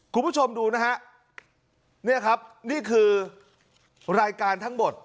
คุณผู้ชมดูนะฮะเนี่ยครับนี่คือรายการทั้งหมด